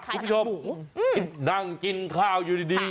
คุณผู้ชมที่นั่งกินข้าวอยู่ดี